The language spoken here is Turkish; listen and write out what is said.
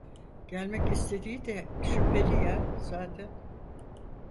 Gelmek istediği de şüpheli ya zaten.